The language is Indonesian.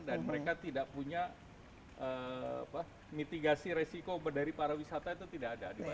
dan mereka tidak punya mitigasi resiko dari para wisata itu tidak ada